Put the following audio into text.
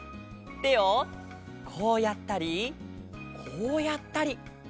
てをこうやったりこうやったり。